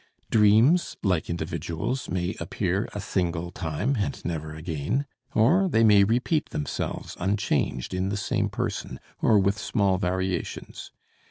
Dreams, like individuals, may appear a single time, and never again, or they may repeat themselves unchanged in the same person, or with small variations.